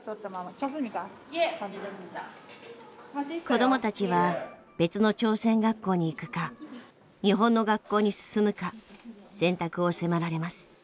子どもたちは別の朝鮮学校に行くか日本の学校に進むか選択を迫られます。